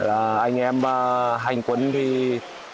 anh em hành quân thì cực kỳ hiểm trở